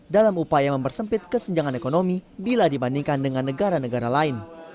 dalam upaya mempersempit kesenjangan ekonomi bila dibandingkan dengan negara negara lain